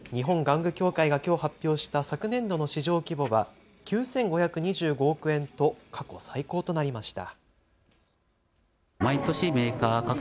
玩具協会がきょう発表した昨年度の市場規模は９５２５億円と過去最高となりました。